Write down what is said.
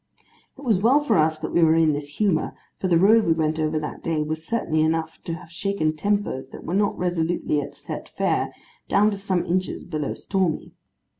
It was well for us, that we were in this humour, for the road we went over that day, was certainly enough to have shaken tempers that were not resolutely at Set Fair, down to some inches below Stormy.